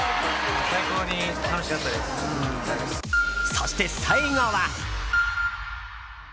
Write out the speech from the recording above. そして、最後は。